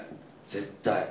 絶対。